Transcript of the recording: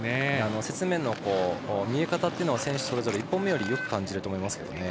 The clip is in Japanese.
雪面の見え方というのは選手それぞれ１本目よりはよく感じると思います。